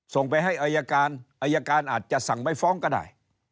ส่งไปให้อายการอายการอาจจะสั่งไม่ฟ้องก็ได้